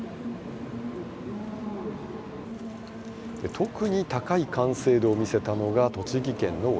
特に高い完成度を見せたのが栃木県の小山高専。